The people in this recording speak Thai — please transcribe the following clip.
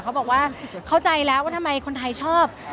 เขาบอกว่าเข้าใจแล้วว่าทำไมคนไทยชอบ